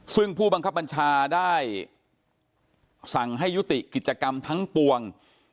ซึ่งผู้บังคับบัญชาได้สั่งให้ยุติกิจกรรมทั้งปวง